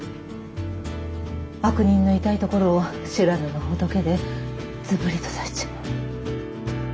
悪人の痛いところを知らぬが仏でズブリと刺しちまう。